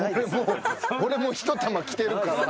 俺もう一玉きてるから。